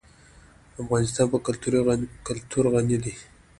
افغانستان په کلتور غني دی.